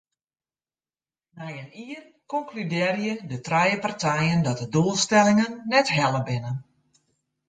Nei in jier konkludearje de trije partijen dat de doelstellingen net helle binne.